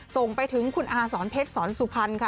ส่งไปถึงคุณอาสอนเพชรสอนสุพรรณค่ะ